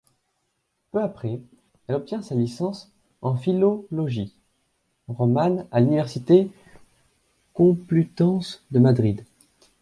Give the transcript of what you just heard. Peu après, elle obtient sa licence en philologie romane à l'Université complutense de Madrid.